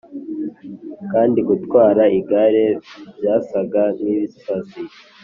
kandi gutwara igare byasaga nkibisazi.